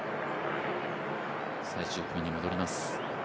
最終組に戻ります。